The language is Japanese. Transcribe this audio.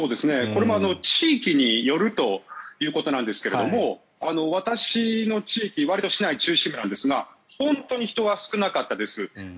これも地域によるということなんですが私の地域わりと市内中心部なんですが本当に人が少なかったです。